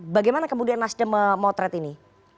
bagaimana kemudian nasdem memotret ini